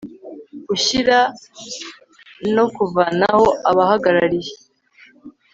Gushyira no kuvanaho abahagarariye